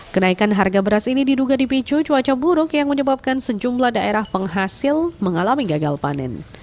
kenaikan harga beras ini diduga dipicu cuaca buruk yang menyebabkan sejumlah daerah penghasil mengalami gagal panen